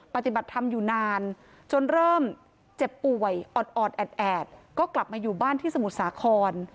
ปฏิบัติธรรมอยู่นานจนเริ่มเจ็บป่วยออดแอดก็กลับมาอยู่บ้านที่สมุทรสาคร